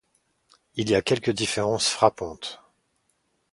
Il y a quelques différences frappantes.